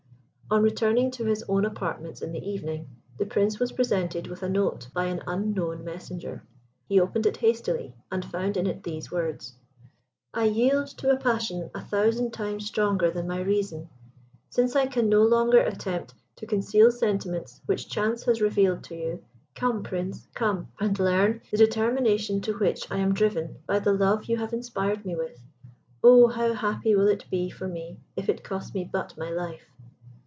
On returning to his own apartments in the evening, the Prince was presented with a note by an unknown messenger. He opened it hastily, and found in it these words: "I yield to a passion a thousand times stronger than my reason. Since I can no longer attempt to conceal sentiments which chance has revealed to you, come, Prince, come, and learn the determination to which I am driven by the love you have inspired me with. Oh, how happy will it be for me if it cost me but my life!"